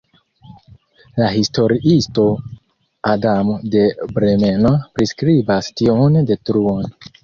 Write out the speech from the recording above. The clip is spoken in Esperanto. La historiisto Adamo de Bremeno priskribas tiun detruon.